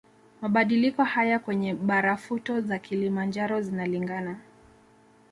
Mabadiliko haya kwenye barafuto za Kilimanjaro zinalingana